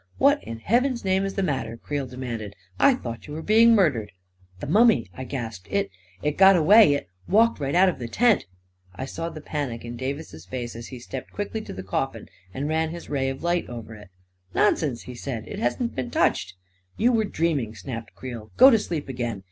"What in heaven's name is the matter ?" Creel demanded " I thought you were being mur dered! "" The mummy! " I gasped. " It — it got away — it walked right out of the tent ..." I saw the panic in Davis's face as he stepped quickly to the coffin and ran his ray of light over it. 41 Nonsense !" he said. " It hasn't been touched." " You were dreaming! " snapped Creel. " Go to sleep again